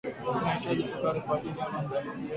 utahitaji sukari kwaajili ya maandazi yako